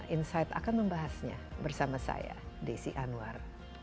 insight akan membahasnya bersama saya desi anwar